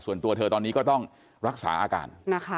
ส่วนตัวเธอตอนนี้ก็ต้องรักษาอาการนะคะ